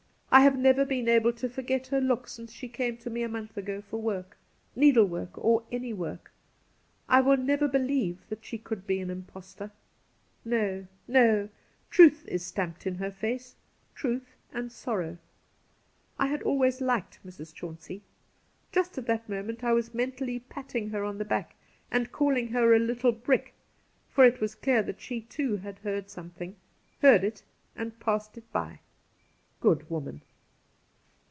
I have never been able to forget her look since she came to me a month ago for work — needlework or any work. I will never believe that she could be an impostor. No, no ! Truth is stamped in her face — truth and sorrow.' I had always liked Mrs. Chauncey. Just at that moment I was mentally patting her on the back and calling her ' a little brick,' for it was clear that she too had heard something^ — heard it and passed it by. Good woman